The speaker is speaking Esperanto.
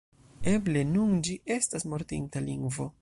Eble nun ĝi estas mortinta lingvo.